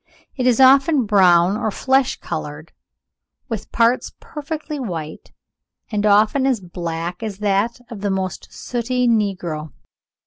It is often brown or flesh colour, with parts perfectly white, and often as black as that of the most sooty negro.